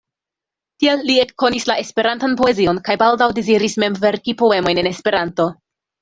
Tiel li ekkonis la Esperantan poezion, kaj baldaŭ deziris mem verki poemojn en Esperanto.